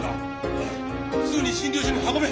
すぐに診療所に運べ。